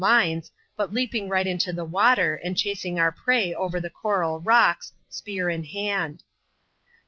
269 lines, but leaping right into the water, and chasing our prey over the coral rocks, spear in hand.